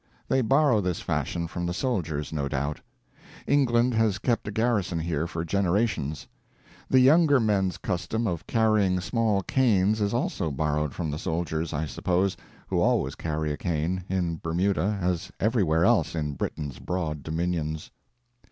They borrow this fashion from the soldiers, no doubt; England has kept a garrison here for generations. The younger men's custom of carrying small canes is also borrowed from the soldiers, I suppose, who always carry a cane, in Bermuda as everywhere else in Britain's broad dominions.